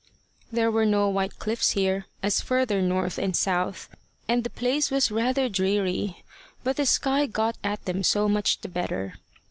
There were no white cliffs here, as further north and south, and the place was rather dreary, but the sky got at them so much the better.